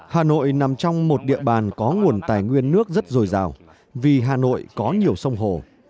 hà nội nằm trong một địa bàn có nguồn tài nguyên nước rất dồi dào vì hà nội có nhiều sông hồ